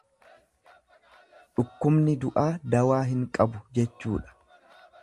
Dhukkubni du'aa dawaa hin qabu jechuudha.